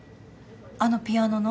あのピアノの？